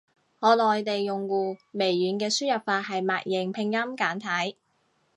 我內地用戶，微軟嘅輸入法係默認拼音簡體。